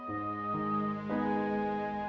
walaupun cuman semalam